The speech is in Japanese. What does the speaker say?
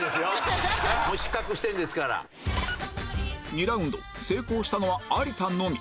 ２ラウンド成功したのは有田のみ